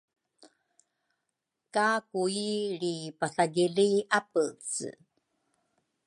ka Kui lri-pathagili apece.